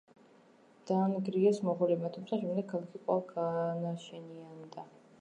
დაანგრიეს მონღოლებმა, თუმცა შემდეგ ქალაქი კვლავ განაშენიანდა.